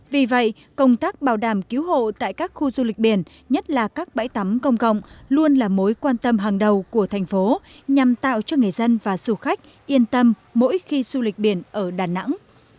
vì vậy công tác bảo đảm cứu hộ tại các khu du lịch biển nhất là các bãi tắm công cộng luôn là mối quan tâm hàng đầu của thành phố nhằm tạo cho người dân và du khách yên tâm mỗi khi du lịch biển ở đà nẵng